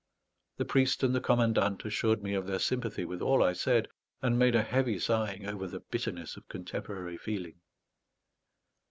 The priest and the commandant assured me of their sympathy with all I said, and made a heavy sighing over the bitterness of contemporary feeling.